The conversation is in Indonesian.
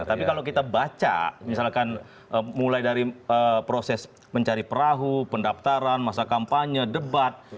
tapi kalau kita baca misalkan mulai dari proses mencari perahu pendaftaran masa kampanye debat